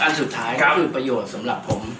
สุดท้ายก็คือประโยชน์สำหรับผม